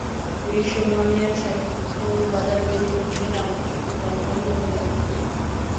বিশ্বমানের সাহিত্য বাজার তৈরি করতে গেলে আমাদের সত্যি ভালো মানের অনুবাদক দরকার।